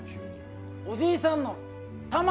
おじいさんの魂？